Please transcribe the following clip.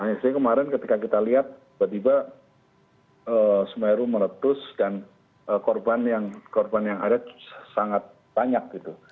istri kemarin ketika kita lihat tiba tiba semeru meletus dan korban yang ada sangat banyak gitu